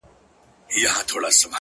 نن شپه بيا زه پيغور ته ناسته يمه’